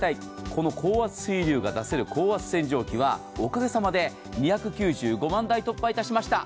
この高圧水流が出せる高圧洗浄機はおかげさまで２９５万台突破いたしました。